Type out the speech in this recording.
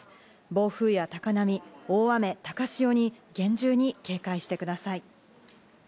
暴風や高波、大雨、高潮に厳重に警戒してください。